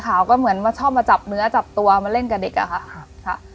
เย้ขาวก็เหมือนชอบมาจับเนื้อจับตัวมาเล่นกับเด็กอะค่ะค่ะ